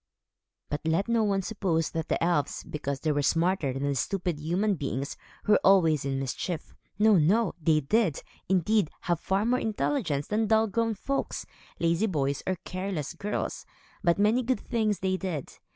But let no one suppose that the elves, because they were smarter than stupid human beings, were always in mischief. No, no! They did, indeed, have far more intelligence than dull grown folks, lazy boys, or careless girls; but many good things they did.